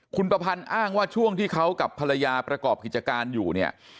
คุณประพันธ์อ้างว่าช่วงที่เขากับภรรยาประกอบกิจการอยู่เนี่ย